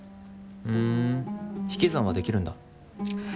ふん引き算はできるんだ。